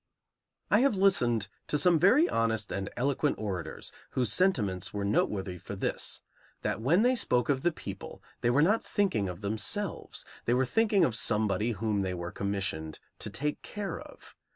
I have listened to some very honest and eloquent orators whose sentiments were noteworthy for this: that when they spoke of the people, they were not thinking of themselves; they were thinking of somebody whom they were commissioned to take care of.